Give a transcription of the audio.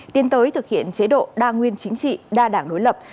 tiến tới thực hiện chế độ đa nguyên chính trị đa đảng đối lập